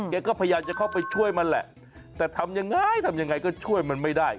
ก็พยายามจะเข้าไปช่วยมันแหละแต่ทำยังไงทำยังไงก็ช่วยมันไม่ได้